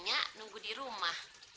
nggak nunggu di rumah